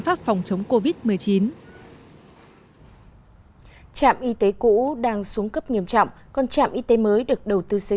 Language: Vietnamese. pháp phòng chống covid một mươi chín trạm y tế cũ đang xuống cấp nghiêm trọng còn trạm y tế mới được đầu tư xây